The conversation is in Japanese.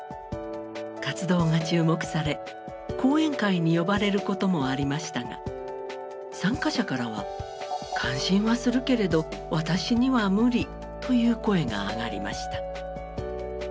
活動が注目され講演会に呼ばれることもありましたが参加者からは「関心はするけれど私には無理」という声が上がりました。